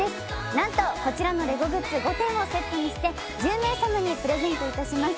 なんとこちらのレゴグッズ５点をセットにして１０名様にプレゼントいたします